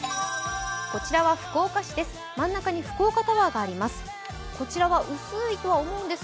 こちらは福岡市です。